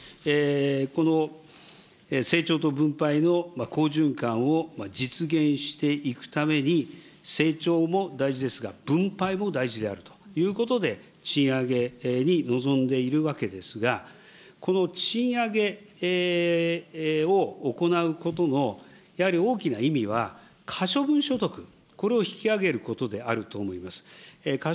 この成長と分配の好循環を実現していくために、成長も大事ですが、分配も大事であるということで、賃上げに臨んでいるわけですが、この賃上げを行うことの、やはり大きな意味は、かしょぶん所得、これを引き上げることであると思います。